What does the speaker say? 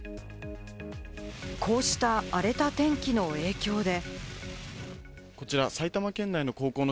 こうした荒れた天気の影響で。